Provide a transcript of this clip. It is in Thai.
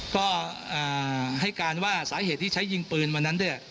ก็ให้การว่าสาเหตุที่ใช้ยิงปืนวันนั้นเนี่ย